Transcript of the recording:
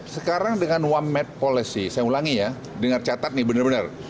sekarang dengan one map policy saya ulangi ya dengar catat nih benar benar